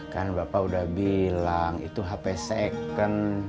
kan bapak udah bilang itu hp second